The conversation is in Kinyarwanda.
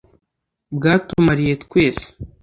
bwatumariye twese